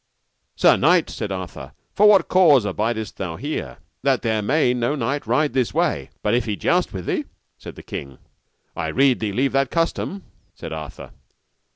Sir knight, said Arthur, for what cause abidest thou here, that there may no knight ride this way but if he joust with thee? said the king. I rede thee leave that custom, said Arthur.